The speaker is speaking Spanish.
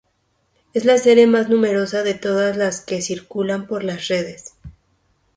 Es la serie más numerosa de todas las que circulan por la Red.